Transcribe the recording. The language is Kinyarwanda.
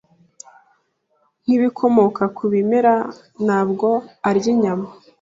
Nkibikomoka ku bimera, ntabwo arya inyama.